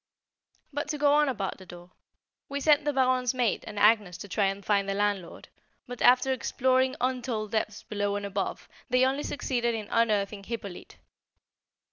But to go on about the door. We sent the Baronne's maid and Agnès to try and find the landlord; but, after exploring untold depths below and above, they only succeeded in unearthing Hippolyte.